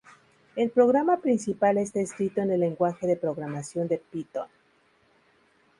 El programa principal está escrito en el lenguaje de programación de Python.